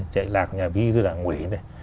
chạy lạc vào nhà bí thư đảng quỷ